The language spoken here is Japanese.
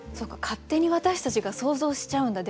勝手に私たちが想像しちゃうんだ。